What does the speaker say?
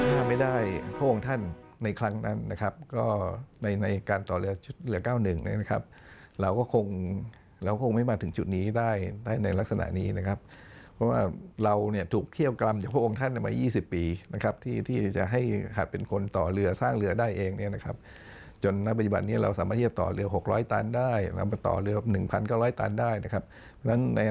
ถ้าไม่ได้พระองค์ท่านในครั้งนั้นนะครับก็ในในการต่อเรือ๙๑เนี่ยนะครับเราก็คงเราคงไม่มาถึงจุดนี้ได้ได้ในลักษณะนี้นะครับเพราะว่าเราเนี่ยถูกเขี้ยวกรรมจากพระองค์ท่านมา๒๐ปีนะครับที่ที่จะให้หากเป็นคนต่อเรือสร้างเรือได้เองเนี่ยนะครับจนณปัจจุบันนี้เราสามารถที่จะต่อเรือ๖๐๐ตันได้นำมาต่อเรือ๑๙๐๐ตันได้นะครับ